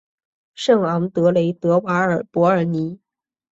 圣昂德雷德瓦尔博尔尼。